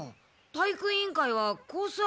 体育委員会はコース